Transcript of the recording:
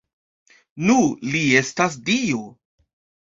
Nu, li ne estas dio